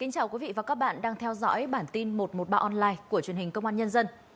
chào mừng quý vị đến với bản tin một trăm một mươi ba online của truyền hình công an nhân dân